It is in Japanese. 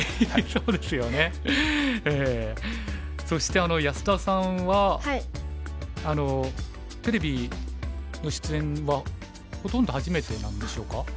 そして安田さんはテレビの出演はほとんど初めてなんでしょうか？